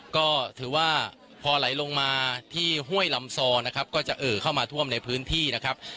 ก็ถือว่าพอไหลลงมาที่ห้วยลำซอนะครับก็จะเอ่อเข้ามาท่วมในพื้นที่นะครับ